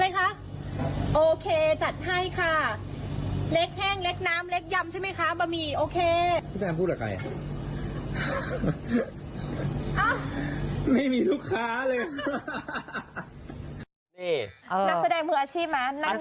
นักแสดงหมู่อาชีพนะนักกินประนาการเองตัวเอง